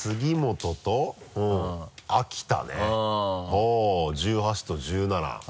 ほぉ１８と１７。